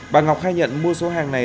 bà ngọc khai nhận mua số hàng này